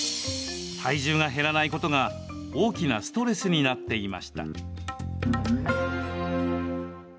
体重が減らないことが大きなストレスになっていました。